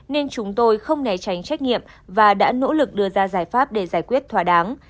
nên chúng tôi không né tránh trách nhiệm và đã nỗ lực đưa ra giải pháp để giải quyết thỏa đáng